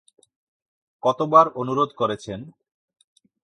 কতবার অনুরোধ করেছেন?